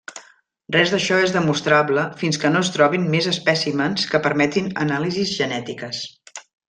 Res d'això és demostrable fins que no es trobin més espècimens que permetin anàlisis genètiques.